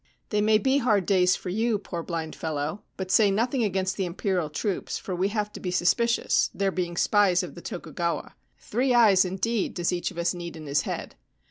' They may be hard days for you, poor blind fellow ; but say nothing against the Imperial troops, for we have to be suspicious, there being spies of the Tokugawa. Three eyes, indeed, does each of us need in his head.